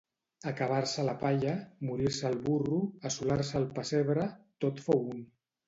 Acabar-se la palla, morir-se el burro, assolar-se el pessebre, tot fou un.